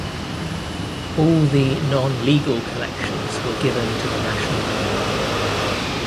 All the non-legal collections were given to the National Library.